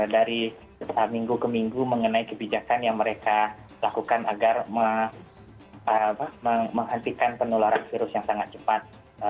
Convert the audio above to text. dari minggu ke minggu mengenai kebijakan yang mereka lakukan agar menghentikan penularan virus yang sangat cepat